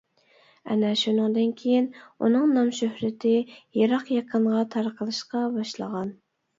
ئەنە شۇنىڭدىن كېيىن، ئۇنىڭ نام-شۆھرىتى يىراق-يېقىنغا تارقىلىشقا باشلىغان.